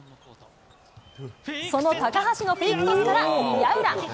その高橋のフェイクトスから、宮浦。